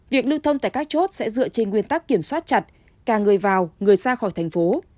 việc lưu thông tại các chốt sẽ dựa trên nguyên tắc kiểm soát chặt cả người vào người ra khỏi thành phố